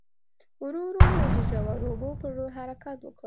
ورو ورو مو د ژورو اوبو په لور حرکت وکړ.